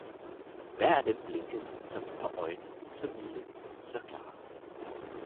hver af dem blinkede som et par øjne, så milde, så klare.